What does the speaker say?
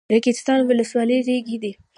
ریګستان ولسوالۍ ریګي ده؟